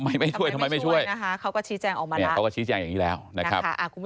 มาคุยกันได้ต่อเนื่องเลยนะคะ